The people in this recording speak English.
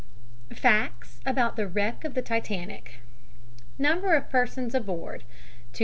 FACTS ABOUT THE WRECK OF THE TITANIC NUMBER of persons aboard, 2340.